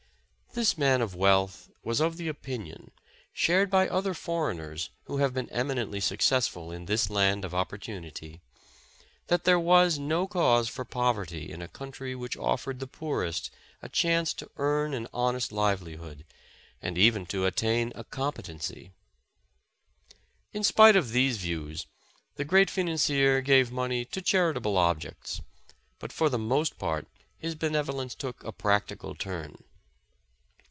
This man of wealth was of the opinion, shared by other foreigners who have been eminently successful in this land of opportunity, that there was no cause for poverty in a country which offered the poorest a chance to earn an honest livelihood, and even to attain a com petency. In spite of these views, the great financier gave money to charitable objects, but for the most part his benevolence took a practical turn.